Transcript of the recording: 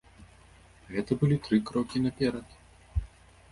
Гэта былі тры крокі наперад.